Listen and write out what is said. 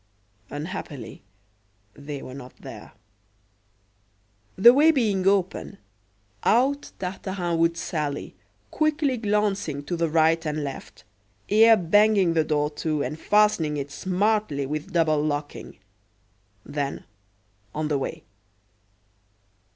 Unhappily, they were not there. The way being open, out Tartarin would sally, quickly glancing to the right and left, ere banging the door to and fastening it smartly with double locking. Then, on the way.